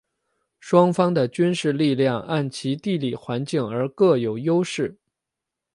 双方的军事力量按其地理环境而各有优势。